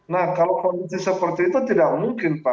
nah kalau kondisi seperti itu tidak mungkin pak